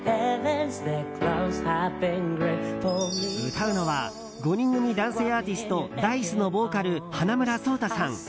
歌うのは５人組男性アーティストＤａ‐ｉＣＥのボーカル花村想太さん。